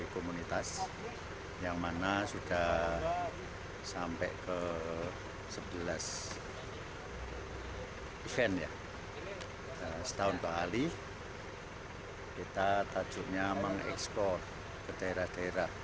kita sudah sampai ke sebelas event setahun ke ali kita tajuknya mengeksplor ke daerah daerah